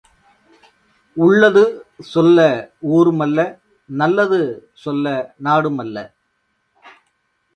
உள்ளது சொல்ல ஊருமல்ல, நல்லது சொல்ல நாடுமல்ல!